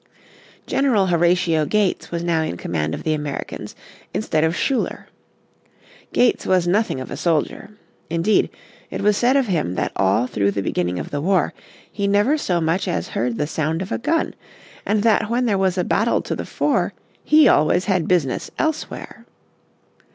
General Horatio Gates was now in command of the Americans instead of Schuyler. Gates was nothing of a soldier. Indeed it was said of him that all throughout the beginning of the war he never so much as heard the sound of a gun, and that when there was a battle to the fore he always had business elsewhere.